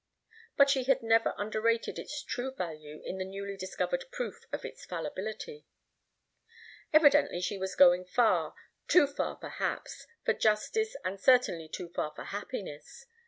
But she never underrated its true value in the newly discovered proof of its fallibility. Evidently, she was going far too far, perhaps, for justice and certainly too far for happiness.